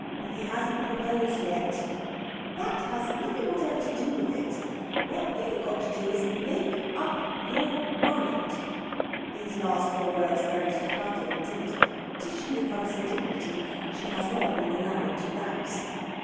"He hasn't proposed yet." "That has nothing whatever to do with it. What you've got to do is to make up your mind." These last four words are very staccato indeed. Tishy recovers a dignity she has rather been allowing to lapse.